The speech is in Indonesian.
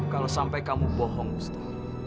kalau sampai kamu bohong usta